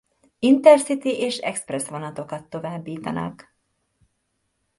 InterCity és expressz vonatokat továbbítanak.